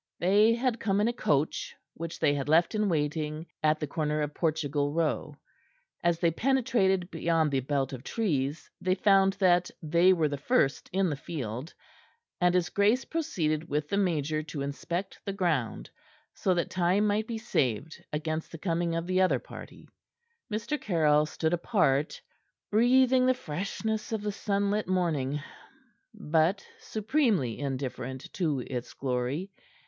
They had come in a coach, which they had left in waiting at the corner of Portugal Row. As they penetrated beyond the belt of trees they found that they were the first in the field, and his grace proceeded with the major to inspect the ground, so that time might be saved against the coming of the other party. Mr. Caryll stood apart, breathing the freshness of the sunlit morning, but supremely indifferent to its glory.